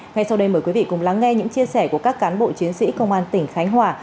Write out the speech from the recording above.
ngay sau đây mời quý vị cùng lắng nghe những chia sẻ của các cán bộ chiến sĩ công an tỉnh khánh hòa